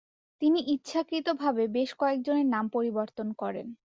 তিনি ইচ্ছাকৃতভাবে বেশ কয়েকজনের নাম পরিবর্তন করেন।